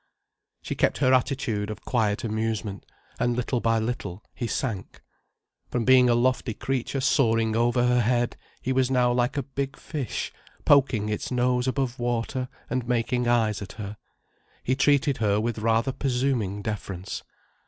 She kept her attitude of quiet amusement, and little by little he sank. From being a lofty creature soaring over her head, he was now like a big fish poking its nose above water and making eyes at her. He treated her with rather presuming deference.